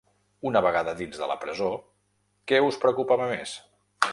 Una vegada dins de la presó, què us preocupava més?